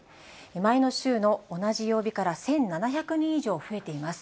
前の週の同じ曜日から１７００人以上増えています。